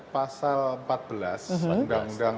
pasal empat belas undang undang